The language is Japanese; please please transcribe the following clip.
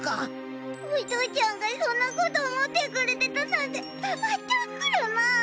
お父ちゃんがそんなこと思ってくれてたなんてあったーくるなあ。